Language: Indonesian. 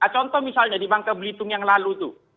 contoh misalnya di bangka belitung yang lalu itu